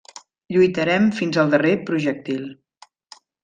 Lluitarem fins al darrer projectil.